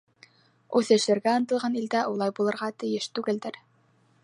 Үҫешергә ынтылған илдә улай булырға тейеш түгелдер...